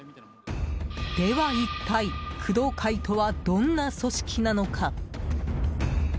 では、一体工藤会とはどんな組織なのか。